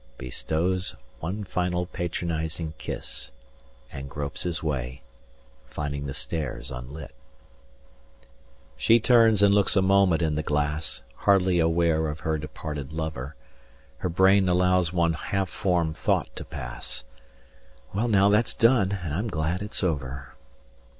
Bestows one final patronizing kiss, And gropes his way, finding the stairs unlit… She turns and looks a moment in the glass, Hardly aware of her departed lover; 250 Her brain allows one half formed thought to pass: "Well now that's done: and I'm glad it's over."